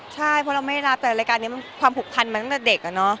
ใช่เพราะเราไม่รับแต่รายการนี้มันความผูกพันมาตั้งแต่เด็ก